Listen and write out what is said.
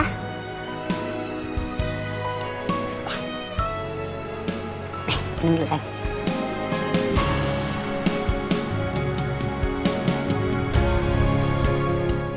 nih minum dulu sayang